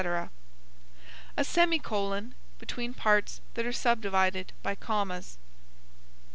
A semicolon (;) between parts that are subdivided by commas.